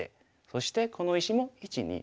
そしてこの石も１２３手。